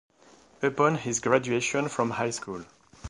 Upon his graduation from high school.